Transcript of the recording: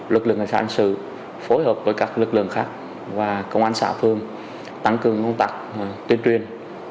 lực lượng ngành sản sự phối hợp với các lực lượng khác và công an xã phương tăng cường công tạc tuyên truyền